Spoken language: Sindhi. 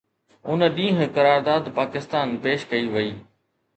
ان ڏينهن قرارداد پاڪستان پيش ڪئي وئي